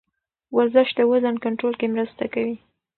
ورزش د وزن کنټرول کې مرسته کوي.